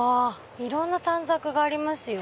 いろんな短冊がありますよ。